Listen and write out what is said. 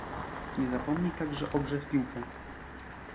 "Nie zapomnij także o grze w piłkę."